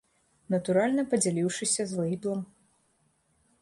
Натуральна падзяліўшыся з лэйблам.